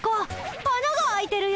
あなが開いてるよ。